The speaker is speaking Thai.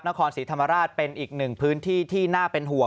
นครศรีธรรมราชเป็นอีกหนึ่งพื้นที่ที่น่าเป็นห่วง